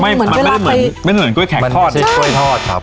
มันไม่เหมือนเวลาไปมันไม่เหมือนกล้วยแขกทอดใช่มันไม่ใช่กล้วยทอดครับ